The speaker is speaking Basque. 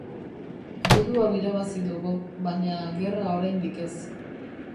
Gudu hau irabazi dugu, baina gerra oraindik ez.